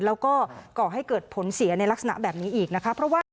แล้วก็ก่อให้เกิดผลเสียในลักษณะแบบนี้อีกนะคะเพราะว่า